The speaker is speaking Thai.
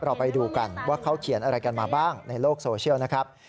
เราไปดูกันว่าเขาเขียนอะไรกันมาบ้างในโลกโซเชียลนะครับ